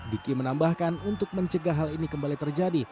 diki menambahkan untuk mencegah hal ini kembali terjadi